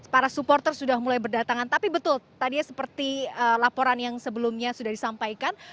para supporter sudah mulai berdatangan tapi betul tadi seperti laporan yang sebelumnya sudah disampaikan